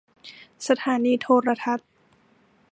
สถานีโทรทัศน์